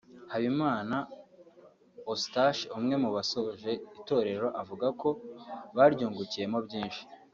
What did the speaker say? Habimana Eustache umwe mu basoje itorero avuga ko baryungukiyemo byinshi